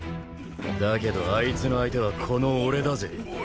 だけどあいつの相手はこの俺だぜ。